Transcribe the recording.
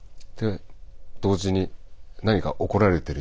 同時に何か怒られてるような。